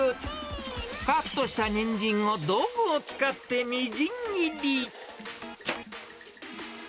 カットしたニンジンを道具を使ってみじん切り。